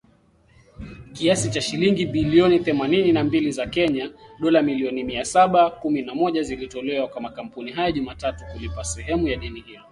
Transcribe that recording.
Kiasi cha shilingi bilioni themaninina mbili za Kenya (dola milioni mia saba kumi na moja) zilitolewa kwa makampuni hayo Jumatatu kulipa sehemu ya deni hilo